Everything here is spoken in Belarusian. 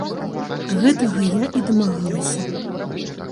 Гэтага я і дамагалася.